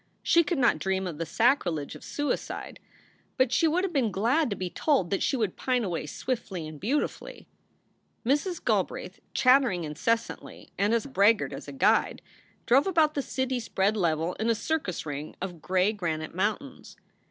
She could not dream of the sacrilege of suicide, but she would have been glad to be told that she would pine away swiftly and beautifully. Mrs. Galbraith, chattering incessantly and as braggart as a guide, drove about the city spread level in a circus ring of gray granite mountains.